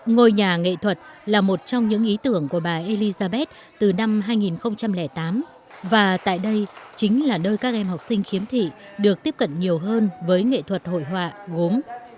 ngôi nhà nghệ thuật là một trong những ý tưởng của bà elizabeth từ năm hai nghìn tám và tại đây chính là nơi các em học sinh khiếm thị được tiếp cận nhiều hơn với nghệ thuật hội họa gốm